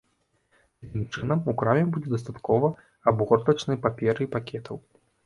Такім чынам, у краме будзе дастаткова абгортачнай паперы і пакетаў.